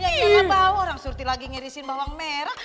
ya karena bau orang surti lagi ngerisin bawang merah